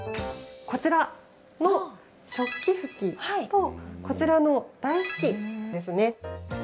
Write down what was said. こちらの食器拭きとこちらの台拭きですね。